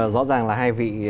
rõ ràng là hai vị